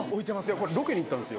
これロケに行ったんです。